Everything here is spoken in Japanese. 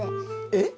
えっ？